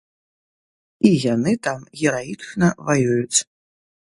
І яны там гераічна ваююць.